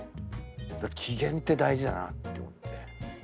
機嫌って大事だなって思って。